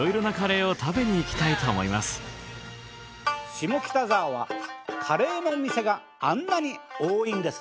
下北沢はカレーのお店があんなに多いんですね。